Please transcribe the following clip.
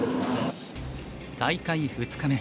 大会２日目。